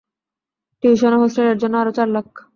Tuition ও হোস্টেলের জন্য আরও চার লাখ।